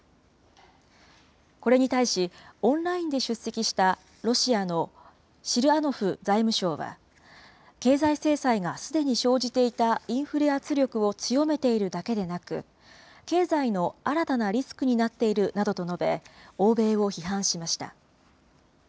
これに対し、オンラインで出席したロシアのシルアノフ財務相は、経済制裁がすでに生じていたインフレ圧力を強めているだけでなく、経済の新たなリスクになっているなどと述べ、欧米を批判しました。